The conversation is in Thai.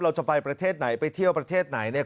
เราจะไปประเทศไหนไปเที่ยวประเทศไหนเนี่ย